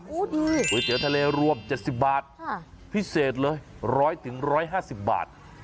ก๋วยเตี๋ยวทะเลรวม๗๐บาทพิเศษเลย๑๐๐๑๕๐บาท